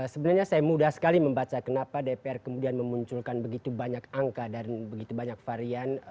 sebenarnya saya mudah sekali membaca kenapa dpr kemudian memunculkan begitu banyak angka dan begitu banyak varian